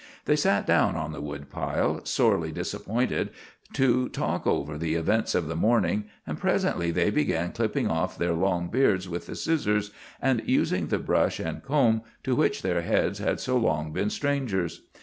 They sat down on the woodpile, sorely disappointed, to talk over the events of the morning; and presently they began clipping off their long beards with the scissors, and using the brush and comb, to which their heads had so long been strangers.